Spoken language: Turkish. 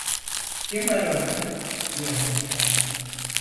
Kim var orada? diye homurdandı.